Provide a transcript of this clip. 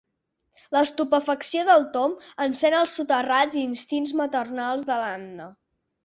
L'estupefacció del Tom encén els soterrats instints maternals de l'Anna.